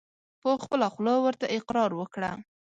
په خپله خوله ورته اقرار وکړه !